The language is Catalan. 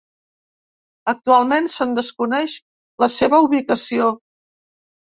Actualment se'n desconeix la seva ubicació.